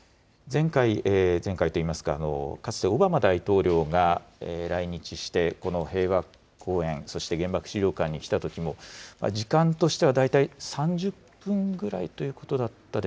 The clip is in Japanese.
前回といいますか、かつてオバマ大統領が来日してこの平和公園、そして原爆資料館に来たときも、時間としては大体３０分ぐら